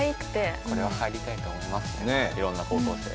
これは入りたいと思いますねいろんな高校生。